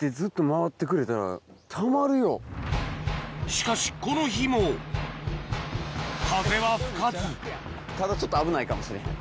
しかしこの日も風は吹かず角ちょっと危ないかもしれへん。